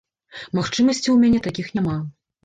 Магчымасцяў у мяне такіх няма.